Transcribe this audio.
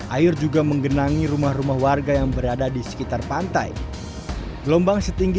air juga menggenangi rumah rumah warga yang berada di sekitar pantai gelombang setinggi